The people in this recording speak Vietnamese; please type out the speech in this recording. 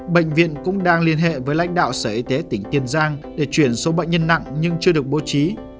bệnh viện cũng đang liên hệ với lãnh đạo sở y tế tỉnh tiền giang để chuyển số bệnh nhân nặng nhưng chưa được bố trí